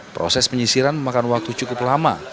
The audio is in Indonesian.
proses penyisiran memakan waktu cukup lama